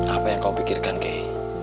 apa yang kau pikirkan kiai